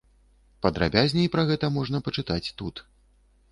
Падрабязней пра гэта можна пачытаць тут.